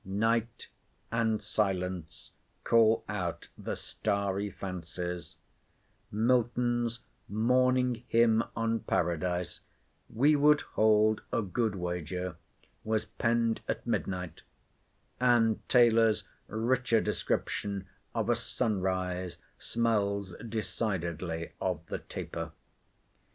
Night and silence call out the starry fancies, Milton's Morning Hymn on Paradise, we would hold a good wager, was penned at midnight; and Taylor's richer description of a sun rise smells decidedly of the taper.